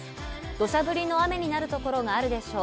土砂降りの雨になるところがあるでしょう。